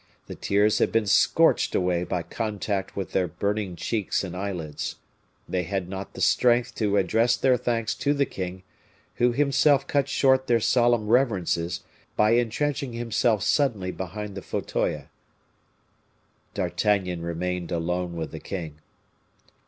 The tears had been scorched away by contact with their burning cheeks and eyelids. They had not the strength to address their thanks to the king, who himself cut short their solemn reverences by entrenching himself suddenly behind the fauteuil. D'Artagnan remained alone with the king.